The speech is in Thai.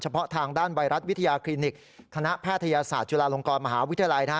เพาะทางด้านไวรัสวิทยาคลินิกคณะแพทยศาสตร์จุฬาลงกรมหาวิทยาลัยนะฮะ